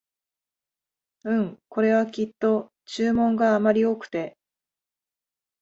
うん、これはきっと注文があまり多くて